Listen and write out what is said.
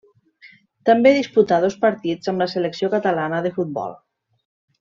També disputà dos partits amb la selecció catalana de futbol.